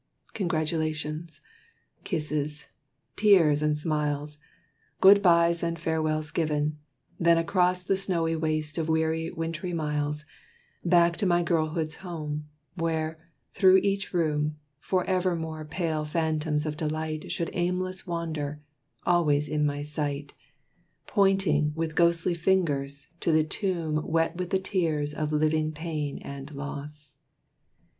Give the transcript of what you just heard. Congratulations, kisses, tears and smiles, Good byes and farewells given; then across The snowy waste of weary wintry miles, Back to my girlhood's home, where, through each room, For evermore pale phantoms of delight Should aimless wander, always in my sight, Pointing, with ghostly fingers, to the tomb Wet with the tears of living pain and loss.